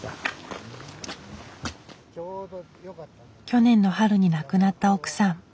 去年の春に亡くなった奥さん。